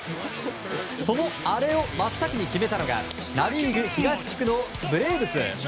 そのアレを真っ先に決めたのがナ・リーグ東地区のブレーブス。